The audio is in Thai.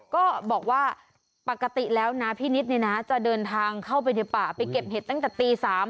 ก็บอกว่าปกติแล้วนะพี่นิดเนี่ยนะจะเดินทางเข้าไปในป่าไปเก็บเห็ดตั้งแต่ตี๓